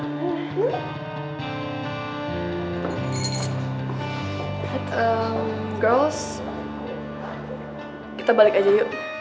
kita balik aja yuk